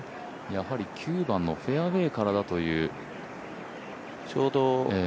やはり９番のフェアウエーからだという。